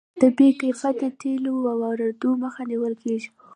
د بې کیفیته تیلو واردولو مخه نیول کیږي.